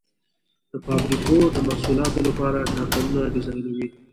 د فابریکو د محصولاتو لپاره کارتنونه ډیزاینوي.